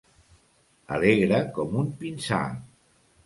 Alegre com un pinsà.